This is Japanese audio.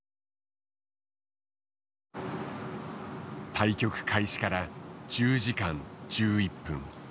対局開始から１０時間１１分。